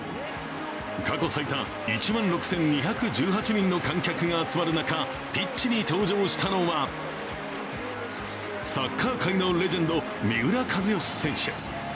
過去最多１万６２１８人の観客が集まる中、ピッチに登場したのはサッカー界のレジェンド、三浦知良選手。